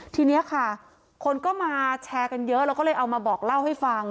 ทีนี้ค่ะคนก็มาแชร์กันเยอะแล้วก็เลยเอามาบอกเล่าให้ฟัง